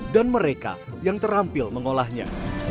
dan mereka yang terampil mengolahnya